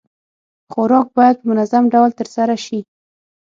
خوراک بايد په منظم ډول ترسره شي.